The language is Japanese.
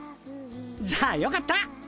じゃあよかった！